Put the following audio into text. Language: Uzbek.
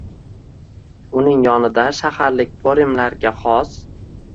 Uning yonida shaharlik po’rimlarga xos.